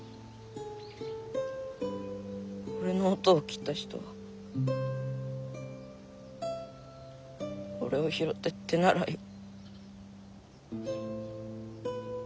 俺のおとうを斬った人は俺を拾って手習いを。